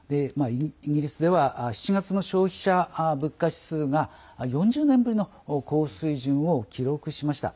イギリスでは７月の消費者物価指数が４０年ぶりの高水準を記録しました。